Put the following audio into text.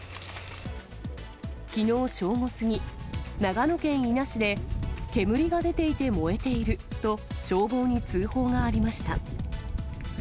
きのう正午過ぎ、長野県伊那市で煙が出ていて燃えていると、消防に通報がありました。